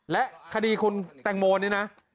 และคดีคุณแตงโมนี่นะ